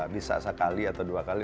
bisa sekali atau dua kali